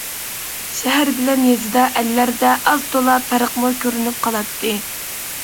شەھەر بىلەن يېزىدا ئەللەردە ئاز- تولا پەرقىمۇ كۆرۈنۈپ قالاتتى.